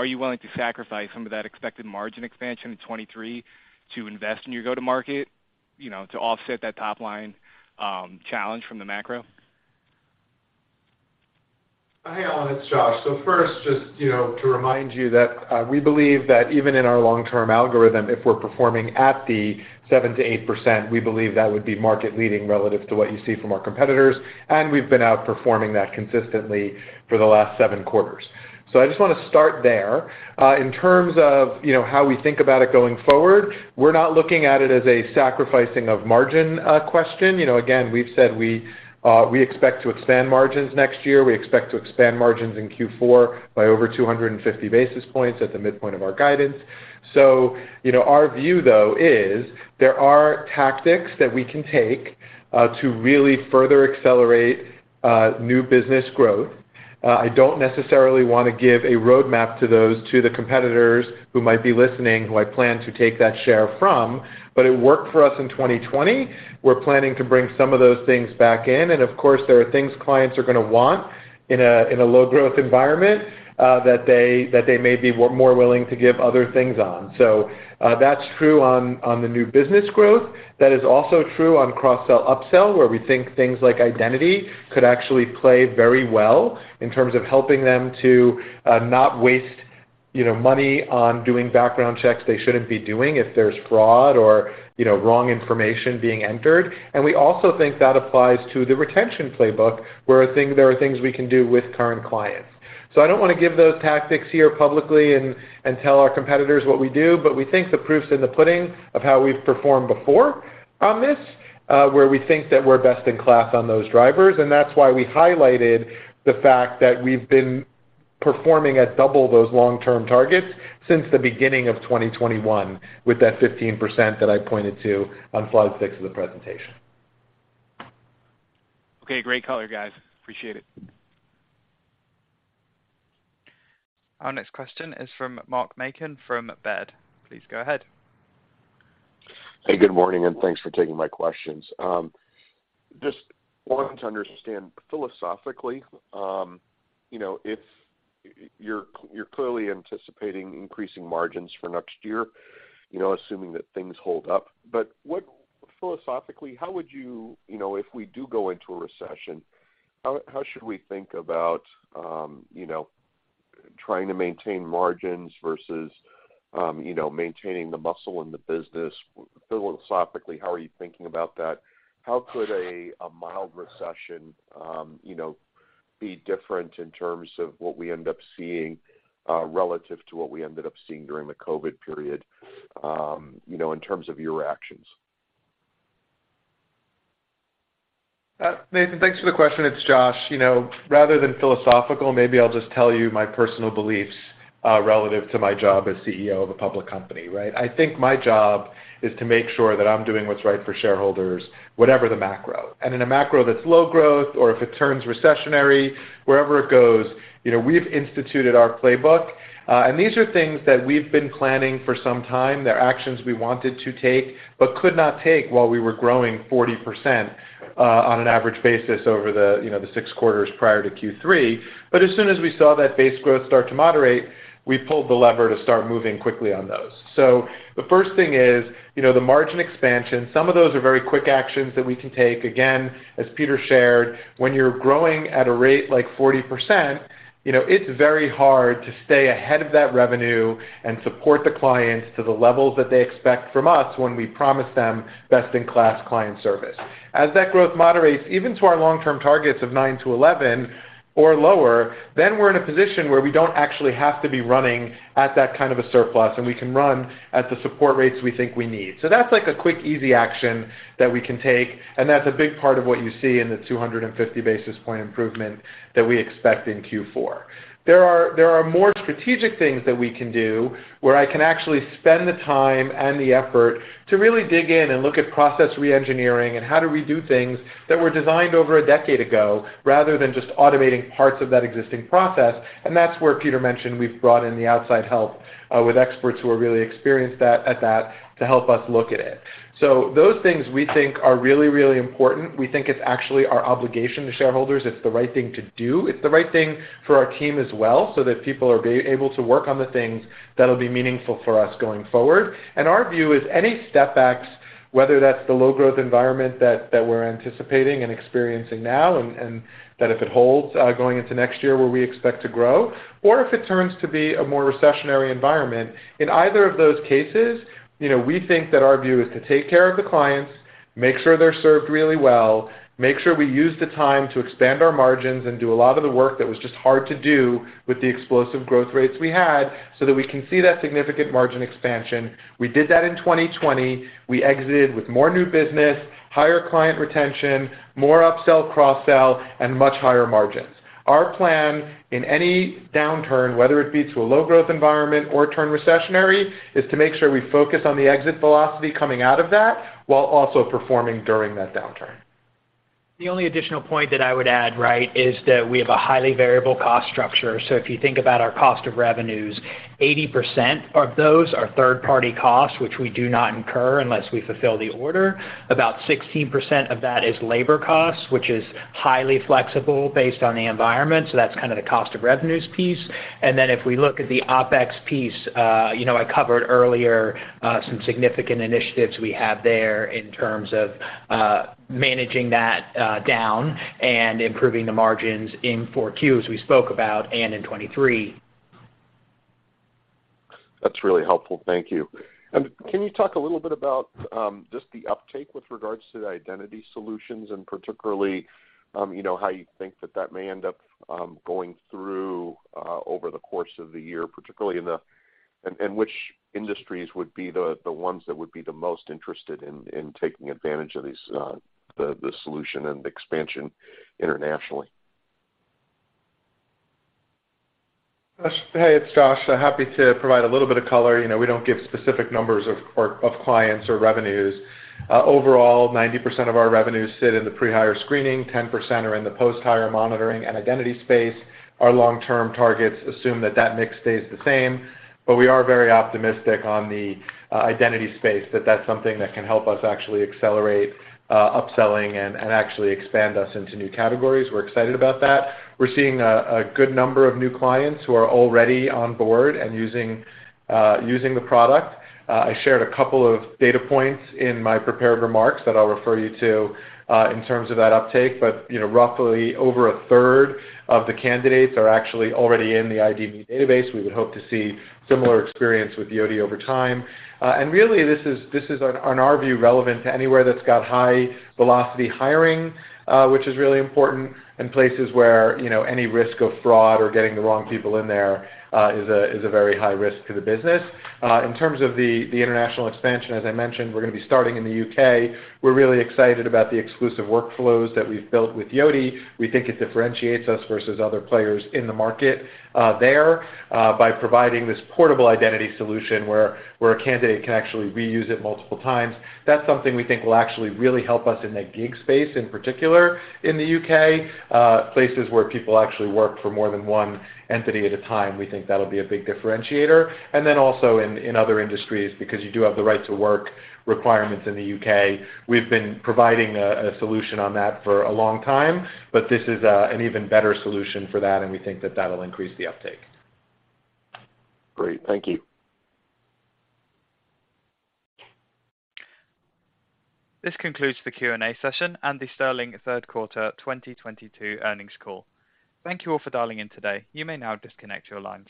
are you willing to sacrifice some of that expected margin expansion in 2023 to invest in your go-to-market, you know, to offset that top line challenge from the macro? Hey, Allan, it's Josh. First, just, you know, to remind you that we believe that even in our long-term algorithm, if we're performing at the 7%-8%, we believe that would be market leading relative to what you see from our competitors, and we've been outperforming that consistently for the last 7 quarters. I just wanna start there. In terms of, you know, how we think about it going forward, we're not looking at it as a sacrificing of margin question. You know, again, we've said we expect to expand margins next year. We expect to expand margins in Q4 by over 250 basis points at the midpoint of our guidance. You know, our view, though, is there are tactics that we can take to really further accelerate new business growth. I don't necessarily wanna give a roadmap to the competitors who might be listening, who I plan to take that share from, but it worked for us in 2020. We're planning to bring some of those things back in, and of course, there are things clients are gonna want in a low growth environment that they may be more willing to give other things on. That's true on the new business growth. That is also true on cross-sell, upsell, where we think things like identity could actually play very well in terms of helping them to not waste, you know, money on doing background checks they shouldn't be doing if there's fraud or, you know, wrong information being entered. We also think that applies to the retention playbook, where there are things we can do with current clients. I don't wanna give those tactics here publicly and tell our competitors what we do, but we think the proof's in the pudding of how we've performed before on this, where we think that we're best in class on those drivers, and that's why we highlighted the fact that we've been performing at double those long-term targets since the beginning of 2021 with that 15% that I pointed to on slide six of the presentation. Okay. Great color, guys. Appreciate it. Our next question is from Mark Marcon from Baird. Please go ahead. Hey, good morning, and thanks for taking my questions. Just wanting to understand philosophically, you know, if you're clearly anticipating increasing margins for next year, you know, assuming that things hold up. What philosophically, how would you you know, if we do go into a recession, how should we think about trying to maintain margins versus, you know, maintaining the muscle in the business? Philosophically, how are you thinking about that? How could a mild recession, you know, be different in terms of what we end up seeing relative to what we ended up seeing during the COVID period, you know, in terms of your actions? Nathan, thanks for the question. It's Josh. You know, rather than philosophical, maybe I'll just tell you my personal beliefs relative to my job as CEO of a public company, right? I think my job is to make sure that I'm doing what's right for shareholders, whatever the macro. In a macro that's low growth or if it turns recessionary, wherever it goes, you know, we've instituted our playbook. These are things that we've been planning for some time. They're actions we wanted to take but could not take while we were growing 40% on an average basis over the, you know, the six quarters prior to Q3. As soon as we saw that base growth start to moderate, we pulled the lever to start moving quickly on those. The first thing is, you know, the margin expansion, some of those are very quick actions that we can take. Again, as Peter shared, when you're growing at a rate like 40%, you know, it's very hard to stay ahead of that revenue and support the clients to the levels that they expect from us when we promise them best-in-class client service. As that growth moderates, even to our long-term targets of 9%-11% or lower, then we're in a position where we don't actually have to be running at that kind of a surplus, and we can run at the support rates we think we need. That's like a quick, easy action that we can take, and that's a big part of what you see in the 250 basis point improvement that we expect in Q4. There are more strategic things that we can do, where I can actually spend the time and the effort to really dig in and look at process re-engineering and how do we do things that were designed over a decade ago rather than just automating parts of that existing process. That's where Peter mentioned we've brought in the outside help with experts who are really experienced at that to help us look at it. Those things we think are really, really important. We think it's actually our obligation to shareholders. It's the right thing to do. It's the right thing for our team as well, so that people are able to work on the things that'll be meaningful for us going forward. Our view is any setbacks. Whether that's the low growth environment that we're anticipating and experiencing now, and that if it holds, going into next year where we expect to grow, or if it turns to be a more recessionary environment, in either of those cases, you know, we think that our view is to take care of the clients, make sure they're served really well, make sure we use the time to expand our margins and do a lot of the work that was just hard to do with the explosive growth rates we had, so that we can see that significant margin expansion. We did that in 2020. We exited with more new business, higher client retention, more upsell, cross-sell, and much higher margins. Our plan in any downturn, whether it be to a low growth environment or turn recessionary, is to make sure we focus on the exit velocity coming out of that while also performing during that downturn. The only additional point that I would add, right, is that we have a highly variable cost structure. If you think about our cost of revenues, 80% of those are third-party costs, which we do not incur unless we fulfill the order. About 16% of that is labor costs, which is highly flexible based on the environment. That's kinda the cost of revenues piece. If we look at the OpEx piece, you know, I covered earlier, some significant initiatives we have there in terms of, managing that, down and improving the margins in Q4, as we spoke about, and in 2023. That's really helpful. Thank you. Can you talk a little bit about just the uptake with regards to the identity solutions and particularly you know how you think that may end up going through over the course of the year particularly and which industries would be the ones that would be the most interested in taking advantage of these the solution and expansion internationally? Hey, it's Josh. Happy to provide a little bit of color. You know, we don't give specific numbers of or of clients or revenues. Overall, 90% of our revenues sit in the pre-hire screening, 10% are in the post-hire monitoring and identity space. Our long-term targets assume that that mix stays the same, but we are very optimistic on the identity space, that that's something that can help us actually accelerate upselling and actually expand us into new categories. We're excited about that. We're seeing a good number of new clients who are already on board and using the product. I shared a couple of data points in my prepared remarks that I'll refer you to in terms of that uptake. You know, roughly over a third of the candidates are actually already in the ID database. We would hope to see similar experience with Yoti over time. Really this is on our view relevant to anywhere that's got high velocity hiring, which is really important in places where, you know, any risk of fraud or getting the wrong people in there is a very high risk to the business. In terms of the international expansion, as I mentioned, we're gonna be starting in the U.K. We're really excited about the exclusive workflows that we've built with Yoti. We think it differentiates us versus other players in the market there by providing this portable identity solution where a candidate can actually reuse it multiple times. That's something we think will actually really help us in that gig space, in particular in the U.K., places where people actually work for more than one entity at a time. We think that'll be a big differentiator. In other industries, because you do have the right to work requirements in the U.K. We've been providing a solution on that for a long time, but this is an even better solution for that, and we think that that'll increase the uptake. Great. Thank you. This concludes the Q&A session and the Sterling third quarter 2022 earnings call. Thank you all for dialing in today. You may now disconnect your lines.